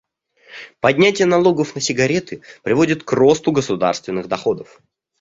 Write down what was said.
Поднятие налогов на сигареты приводит к росту государственных доходов.